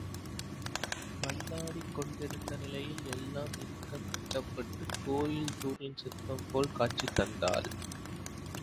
பந்தாடிக் கொண்டிருந்த நிலையில் எல்லாம் இறுக்கக் கட்டப்பட்டுக் கோயில் தூணின் சிற்பம்போல் காட்சி தந்தாள்.